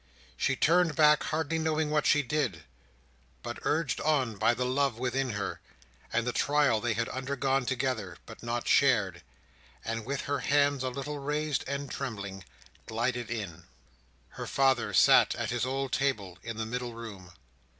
She turned back, hardly knowing what she did, but urged on by the love within her, and the trial they had undergone together, but not shared: and with her hands a little raised and trembling, glided in. Her father sat at his old table in the middle room.